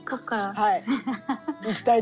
はい。